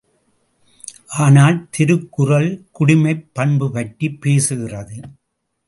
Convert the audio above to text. ஆனால் திருக்குறள் குடிமைப் பண்பு பற்றிப் பேசுகிறது.